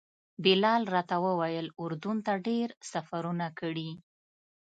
بلال راته وویل اردن ته ډېر سفرونه کړي.